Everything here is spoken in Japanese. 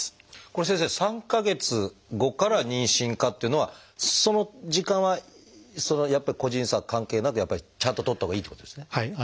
これ先生「３か月後から妊娠可」っていうのはその時間はやっぱり個人差関係なくやっぱりちゃんととったほうがいいっていうことですね。